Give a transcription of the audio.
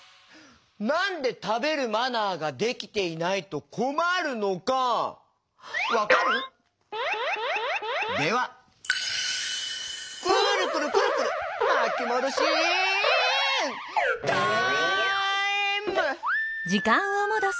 なんでたべるマナーができていないとこまるのかわかる？ではくるくるくるくるまきもどしタイム！